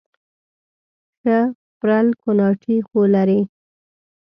ښه پرل کوناټي خو لري